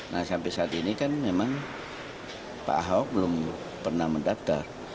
nah sampai saat ini kan memang pak ahok belum pernah mendaftar